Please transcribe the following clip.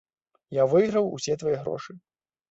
Я выйграў усе твае грошы.